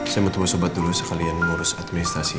saya butuh obat dulu sekalian mengurus administrasinya